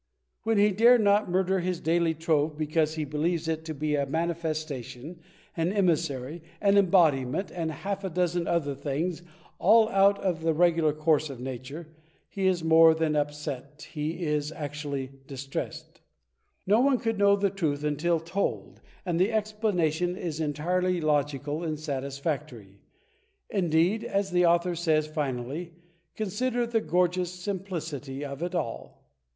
When he dare not murder his daily trove because he believes 38 THE TECHNIQUE OF THE MYSTERY STORY it to be a manifestation, an emissary, an embodiment, and half a dozen other things all out of the regular course of nature, he is more than upset. He is actually distressed. No one could know the truth imtil told and the explanation is entirely logical and satisfactory. Indeed, as the author says, finally: "Consider the gorgeous simplicity of it all."